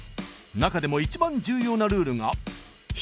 中でも一番重要なルールが例えば。